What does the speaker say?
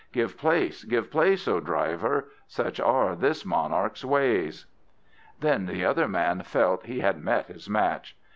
Give place, give place, O driver! such are this monarch's ways!" Then the other man felt he had met his match.